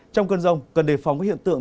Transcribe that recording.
trong cơn rông cần đề phòng các hiện tượng